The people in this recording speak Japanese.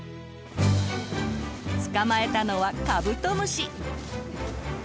捕まえたのはカブトムシ。